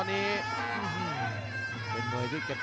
ในที่ข้างนี้นี่คือเบอร์ต้นเลยครับ